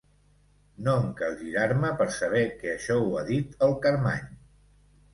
No em cal girar-me per saber que això ho ha dit el Carmany.